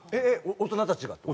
大人たちが。